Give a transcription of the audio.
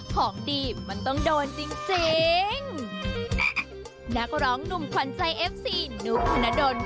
ของดีมันต้องโดนจริงจริงนักร้องหนุ่มขวัญใจเอฟซีนุ๊กธนดล